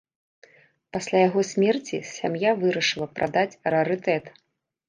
Пасля яго смерці сям'я вырашыла прадаць рарытэт.